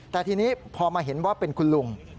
แต่ทีนี้พอมาเห็นว่าเป็นคุณลุง